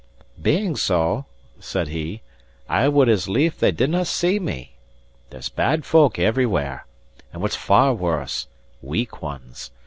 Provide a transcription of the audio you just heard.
"Being so," said he, "I would as lief they didnae see me. There's bad folk everywhere, and what's far worse, weak ones.